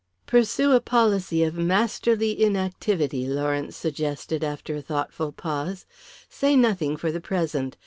"Pursue a policy of masterly inactivity," Lawrence suggested after a thoughtful pause. "Say nothing for the present.